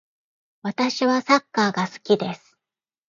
私はサッカーが好きです。